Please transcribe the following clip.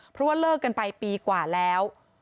เพราะว่าเลิกกันไปปีกว่าแล้ว